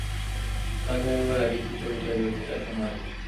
রাজা হইবার আগে কী করিতে হইবে সেটা শোনো আগে।